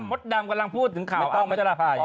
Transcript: หมดดำกำลังพูดถึงข่าวอ้ำมันจะรภาย